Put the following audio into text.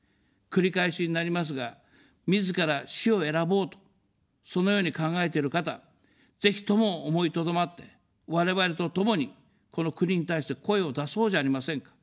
繰り返しになりますが、みずから死を選ぼうと、そのように考えている方、ぜひとも思いとどまって、我々と共に、この国に対して声を出そうじゃありませんか。